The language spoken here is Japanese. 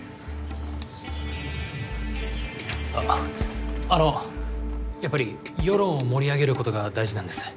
あっあのやっぱり世論を盛り上げることが大事なんです。